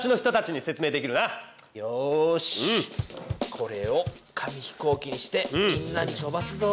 これを紙飛行機にしてみんなに飛ばすぞ！